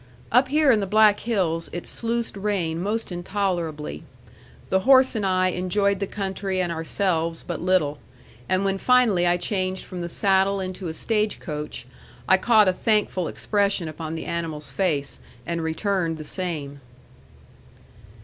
Up here in the Black Hills it sluiced rain most intolerably. The horse and I enjoyed the country and ourselves but little; and when finally I changed from the saddle into a stagecoach, I caught a thankful expression upon the animal's face, and returned the same.